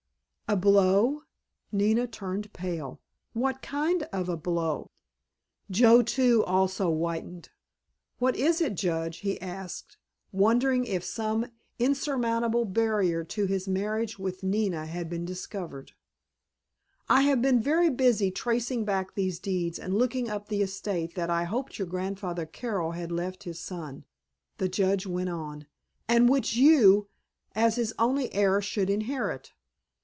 "A blow?" Nina turned pale. "What kind of a blow?" Joe too had whitened. "What is it, Judge?" he asked, wondering if some insurmountable barrier to his marriage with Nina had been discovered. "I have been very busy tracing back these deeds and looking up the estate that I hoped your grandfather Carroll had left his son," the Judge went on, "and which you, as his only heir, should inherit.